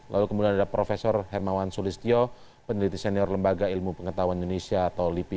lalu kemudian ada prof hermawan sulistyo peneliti senior lembaga ilmu pengetahuan indonesia atau lipi